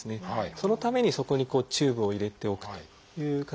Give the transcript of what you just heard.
そのためにそこにチューブを入れておくという形になりますね。